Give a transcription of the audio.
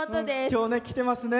今日、来てますね。